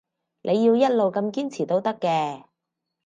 你要一路咁堅持都得嘅